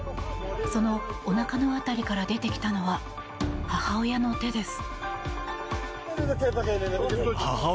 そのおなかの辺りから出てきたのは、母親の手です。